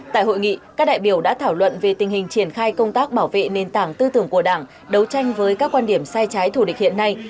tại hội nghị các đại biểu đã thảo luận về tình hình triển khai công tác bảo vệ nền tảng tư tưởng của đảng đấu tranh với các quan điểm sai trái thủ địch hiện nay